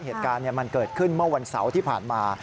เหตุการณ์มันเกิดขึ้นเมื่อวันเสาร์ที่ผ่านมา